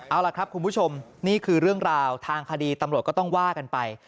เอาล่ะครับคุณผู้ชมนี่คือเรื่องราวทางคดีตำรวจก็ต้องว่ากันไป